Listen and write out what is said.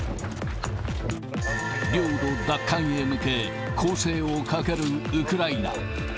領土奪還へ向け、攻勢をかけるウクライナ。